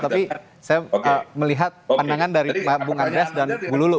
tapi saya melihat pandangan dari bung andres dan bu lulung